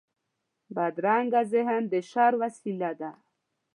بدرنګه ذهن د شر وسيله ده